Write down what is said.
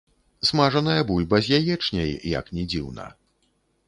Смажаная бульба з яечняй, як ні дзіўна.